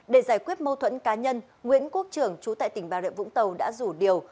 để giải quyết mâu thuẫn cá nhân nguyễn quốc trường trú tại tỉnh bà rợ vũng tàu đã rủ điều